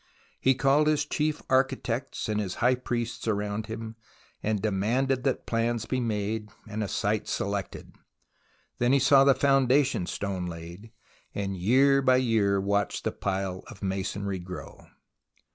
He called his chief archi tects and his high priests around him, and demanded that plans be made and a site selected. Then he saw the foundation stone laid, and year by year watched the pile of masonry grow.